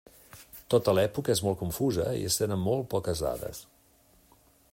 Tota l'època és molt confusa i es tenen molt poques dades.